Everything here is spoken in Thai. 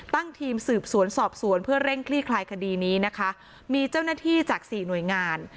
ตั้งทีมสืบสวนสอบสวนเพื่อเร่งคลี่คลายคดีนี้นะคะมีเจ้าหน้าที่จากสี่หน่วยงาน